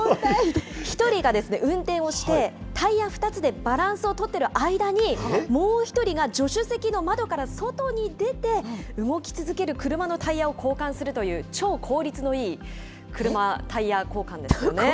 １人が運転をして、タイヤ２つでバランスを取ってる間に、もう１人が助手席の窓から外に出て、動き続ける車のタイヤを交換するという、超効率のいい車、タイヤ効率？